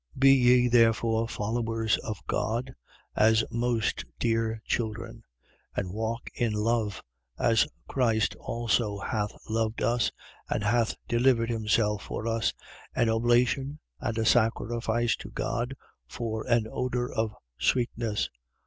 5:1. Be ye therefore followers of God, as most dear children: 5:2. And walk in love, as Christ also hath loved us and hath delivered himself for us, an oblation and a sacrifice to God for an odour of sweetness.